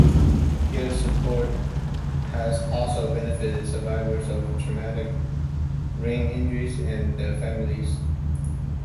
Peer support has also benefited survivors of traumatic brain injury and their families.